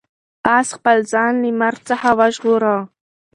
آس خپل ځان له مرګ څخه وژغوره.